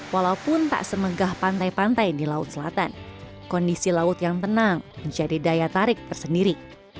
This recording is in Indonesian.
walaupun tak semegah pantai pantai di laut selatan kondisi laut yang tenang menjadi daya tarik tersendiri